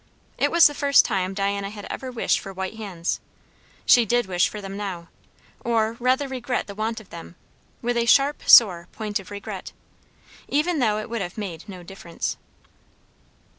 It was the first time Diana had ever wished for white hands; she did wish for them now, or rather regret the want of them, with a sharp, sore point of regret. Even though it would have made no difference.